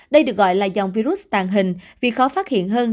đây được gọi là dòng virus tàn hình vì khó phát hiện hơn